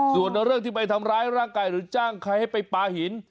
ส่วนเรื่องที่ไปทำร้ายร่างกายหรือจ้างใครให้ไปปลาหิน